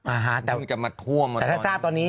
อ่าฮะแต่ถ้าทราบตอนนี้